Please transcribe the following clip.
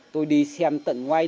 tôi đi xem tận ngoài